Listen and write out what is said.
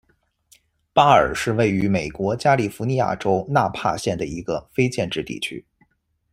巴尔是位于美国加利福尼亚州纳帕县的一个非建制地区。